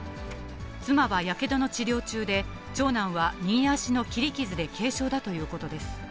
妻はやけどの治療中で、長男は右足の切り傷で軽傷だということです。